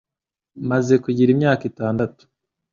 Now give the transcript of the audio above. Maze kugira imyaka itandatu,